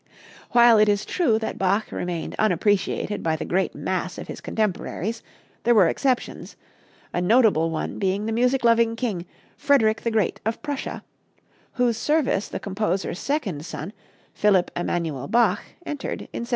While it is true that Bach remained unappreciated by the great mass of his contemporaries, there were exceptions, a notable one being the music loving king, Frederick the Great of Prussia, whose service the composer's second son, Philipp Emanuel Bach, entered in 1746.